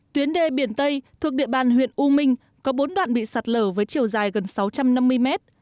tuyến đê biển tây thuộc địa bàn huyện u minh có bốn đoạn bị sạt lở với chiều dài gần sáu trăm năm mươi mét